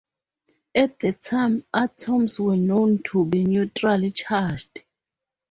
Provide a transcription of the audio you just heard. At the time, atoms were known to be neutrally charged.